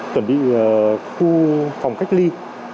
chuẩn bị khu phòng cách ly